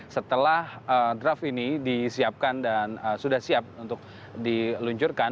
setelah draft ini disiapkan dan sudah siap untuk diluncurkan